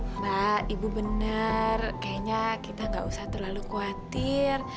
mbak ibu bener kayaknya kita gak usah terlalu khawatir